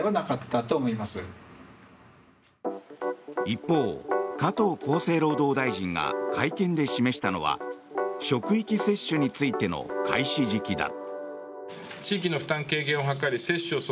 一方、加藤厚生労働大臣が会見で示したのは職域接種についての開始時期だ。